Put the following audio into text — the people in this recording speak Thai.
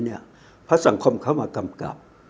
เพราะสังคมเขามากำกับ